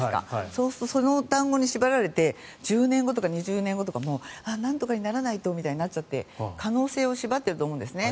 そうすると、その単語に縛られて１０年ごとか２０年ごとかなんとかにならないとってなっちゃって可能性を縛っていると思うんですね。